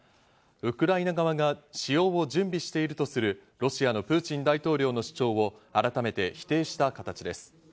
ウクライナ側が使用を準備しているとするロシアのプーチン大統領の主張を改めて否定した形です。